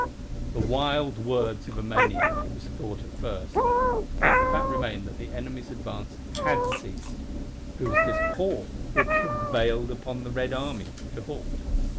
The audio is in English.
The wild words of a maniac, it was thought at first. Yet the fact remained that the enemy's advance had ceased. Who was this "Paul" who had "prevailed upon the Red Army" to halt?